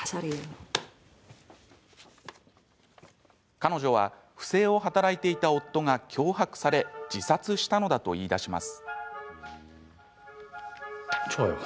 彼女は不正を働いていた夫が脅迫され自殺したのだと言いだします。